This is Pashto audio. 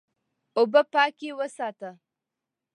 اوبه پاکې وساته.